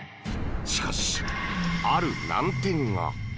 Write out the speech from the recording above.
しかし、ある難点が。